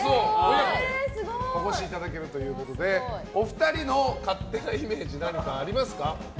親子でお越しいただけるということでお二人の勝手なイメージ何かありますか？